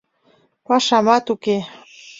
Пашамат уке!